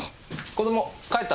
子供帰ったの？